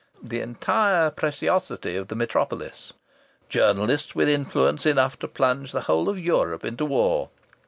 The entire preciosity of the Metropolis! Journalists with influence enough to plunge the whole of Europe into war!